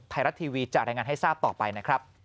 ไทยรัฐทีวีจะรายงานให้ทราบต่อไปนะครับ